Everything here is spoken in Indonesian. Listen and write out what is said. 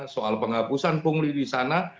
soal penghapusan pungli di sana